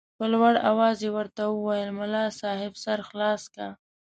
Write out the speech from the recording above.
په لوړ اواز یې ورته وویل ملا صاحب سر خلاص که.